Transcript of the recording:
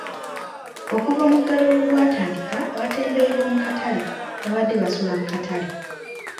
Okuva omuggalo lwe gwatandika, abatembeeyi b'omu katale babadde basula mu katale.